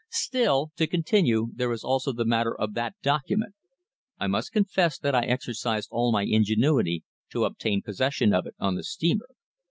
"Still, to continue, there is also the matter of that document. I must confess that I exercised all my ingenuity to obtain possession of it on the steamer."